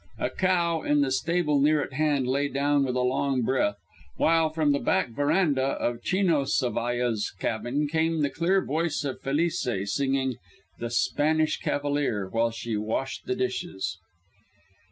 A cow in the stable near at hand lay down with a long breath, while from the back veranda of Chino Zavalla's cabin came the clear voice of Felice singing "The Spanish Cavalier" while she washed the dishes.